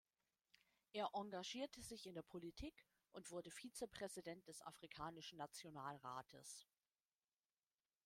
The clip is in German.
Er engagierte sich in der Politik und wurde Vizepräsident des afrikanischen Nationalrates.